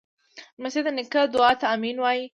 لمسی د نیکه دعا ته “امین” وایي.